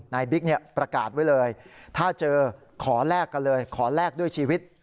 บิ๊กประกาศไว้เลยถ้าเจอขอแลกกันเลยขอแลกด้วยชีวิต